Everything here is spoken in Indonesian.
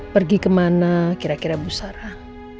pergi kemana kira kira bu sarah